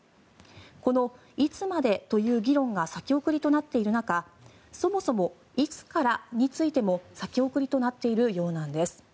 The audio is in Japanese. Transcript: このいつまでという議論が先送りとなっている中そもそも、いつからについても先送りとなっているようなんです。